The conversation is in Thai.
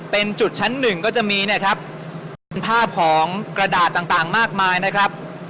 เป็นจุดชั้นหนึ่งก็จะมีเนี่ยครับเป็นภาพของกระดาษต่างมากมายนะครับ